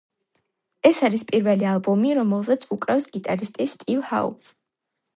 ეს არის პირველ ალბომი, რომელზეც უკრავს გიტარისტი სტივ ჰაუ.